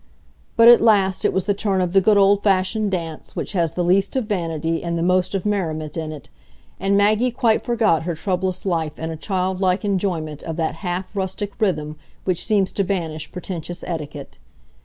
But at last it was the turn of the good old fashioned dance which has the least of vanity and the most of merriment in it, and Maggie quite forgot her troublous life in a childlike enjoyment of that half rustic rhythm which seems to banish pretentious etiquette.